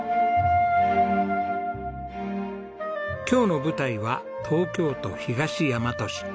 今日の舞台は東京都東大和市。